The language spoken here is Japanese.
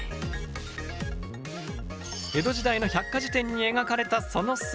江戸時代の百科事典に描かれたその姿は。